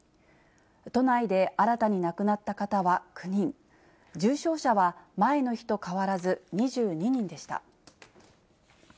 都内で新たに亡くなった方は９人、重症者は前の日と変わらず２２人でした。